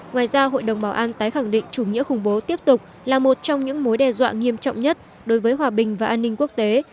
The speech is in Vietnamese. ngoài ra hội đồng bảo an tái khẳng định chủ nghĩa khủng bố tiếp tục là một trong những mối đe dọa nghiêm trọng nhất đối với hòa bình và an ninh quốc tế